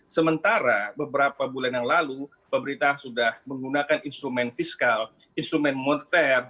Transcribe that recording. sementara beberapa bulan yang lalu pemerintah sudah menggunakan instrumen fiskal instrumen moneter